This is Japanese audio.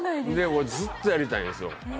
俺ずっとやりたいんですよ